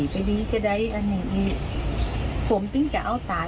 ไปดีก็ได้อันนี้ผมติ้งจะเอาตาย